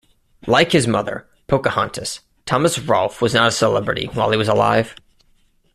Like his mother, Pocahontas, Thomas Rolfe was not a celebrity while he was alive.